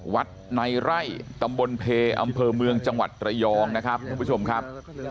วัดในไร่ตำบลเพอำเภอเมืองจังหวัดระยองนะครับท่านผู้ชมครับ